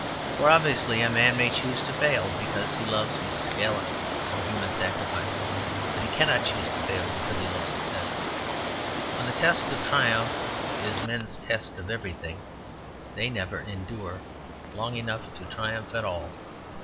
For obviously a man may choose to fail because he loves Mrs. Gallup or human sacrifice; but he cannot choose to fail because he loves success. When the test of triumph is men's test of everything, they never endure long enough to triumph at all.